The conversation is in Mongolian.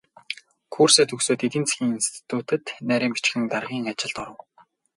Курсээ төгсөөд эдийн засгийн институцэд нарийн бичгийн даргын ажилд оров.